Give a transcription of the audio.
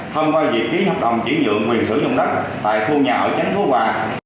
thông qua việc ký hợp đồng chỉ dự quyền sử dụng đất tại khu nhà ở chánh phú hòa